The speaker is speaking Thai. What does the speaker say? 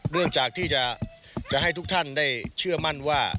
เรื่องจากที่จะให้ทุกท่านได้เชื่อมั่นว่า